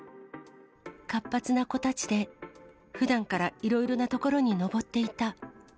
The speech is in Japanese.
活発な子たちで、ふだんからいろいろなところに登っていた。